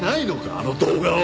あの動画を。